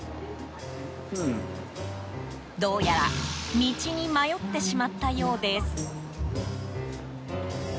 どうやら道に迷ってしまったようです。